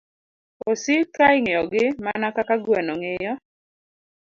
Osik ka ing'iyogi mana kaka gweno ng'iyo